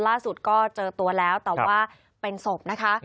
ล่าสุดก็เจอตัวแล้วแต่ว่าเป็นศพนะคะ